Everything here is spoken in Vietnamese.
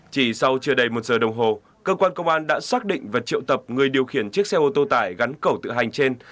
chỉ sau chưa đầy một giờ đồng hồ cơ quan công an đã xác định và triệu tập người điều khiển chiếc xe ô tô tải gắn cẩu tự hành trên